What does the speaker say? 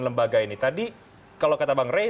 lembaga ini tadi kalau kata bang rey